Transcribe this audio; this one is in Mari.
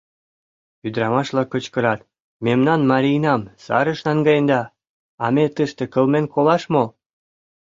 Ӱдырамаш-влак кычкырат: — Мемнан марийнам сарыш наҥгаеда, а ме тыште кылмен колаш мо?!